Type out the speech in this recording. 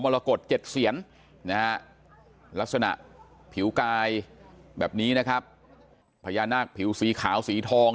รกฏ๗เสียนนะฮะลักษณะผิวกายแบบนี้นะครับพญานาคผิวสีขาวสีทอง